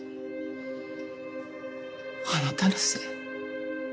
あなたのせい。